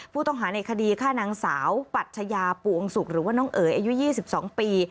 ผู้ต้องหาในคดีฆ่านางสาวปัชยาปวงศุกร์หรือว่าน้องเอ๋ยอายุ๒๒ปี